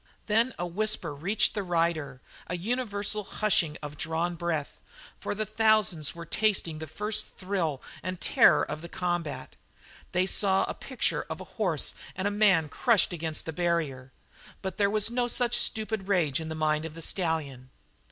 Then a whisper reached the rider, a universal hushing of drawn breath, for the thousands were tasting the first thrill and terror of the combat. They saw a picture of horse and man crushed against the barrier. But there was no such stupid rage in the mind of the stallion.